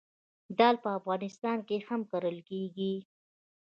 دال په افغانستان کې هم کرل کیږي.